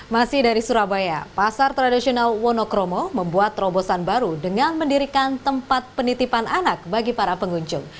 masih dari surabaya pasar tradisional wonokromo membuat terobosan baru dengan mendirikan tempat penitipan anak bagi para pengunjung